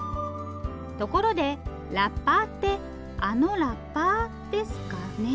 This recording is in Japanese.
ところでラッパーってあのラッパーですかね？